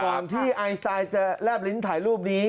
ก่อนที่ไอสไตล์จะแลบลิ้นถ่ายรูปนี้